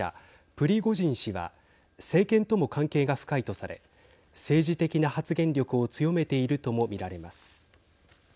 プリゴジン氏は政権とも関係が深いとされ政治的な発言力を強めているとも見られます。